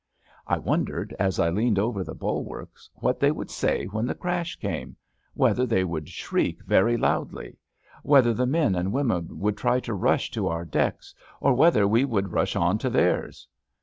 I wondered as I leaned over the bulwarks what they would say when the crash came — ^whether they would shriek very loudly — ^whether the men and women would try to rush to our decks, or whether we would rush on to theirs.